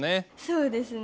そうですね。